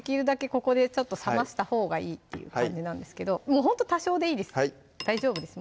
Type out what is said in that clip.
ここでちょっと冷ましたほうがいいっていう感じなんですけどほんと多少でいいです大丈夫です